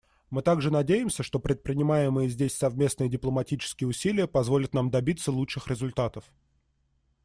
Мы также надеемся, что предпринимаемые здесь совместные дипломатические усилия позволят нам добиться лучших результатов.